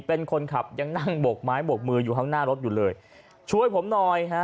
เป็นคนขับยังนั่งบกไม้บกมืออยู่ข้างหน้ารถอยู่เลยช่วยผมหน่อยฮะ